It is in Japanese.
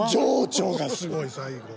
情緒がすごい最後。